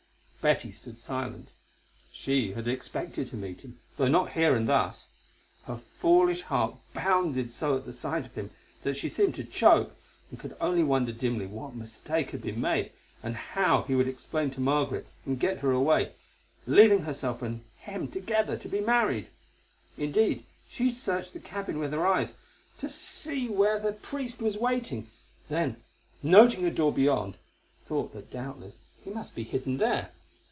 Betty stood silent; she had expected to meet him, though not here and thus. Her foolish heart bounded so at the sight of him that she seemed to choke, and could only wonder dimly what mistake had been made, and how he would explain to Margaret and get her away, leaving herself and him together to be married. Indeed, she searched the cabin with her eyes to see where the priest was waiting, then noting a door beyond, thought that doubtless he must be hidden there.